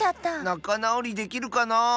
なかなおりできるかなあ。